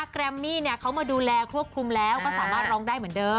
แรมมี่เขามาดูแลควบคุมแล้วก็สามารถร้องได้เหมือนเดิม